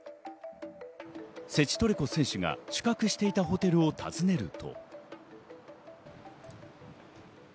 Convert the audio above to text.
セチトレコ選手が宿泊していたホテルを訪ねると。